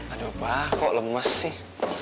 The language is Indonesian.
aduh pak kok lemes sih